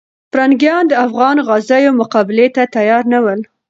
پرنګیان د افغان غازیو مقابلې ته تیار نه ول.